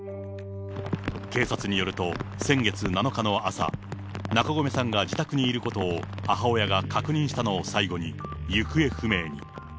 警察によると、先月７日の朝、中込さんが自宅にいることを母親が確認したのを最後に行方不明に。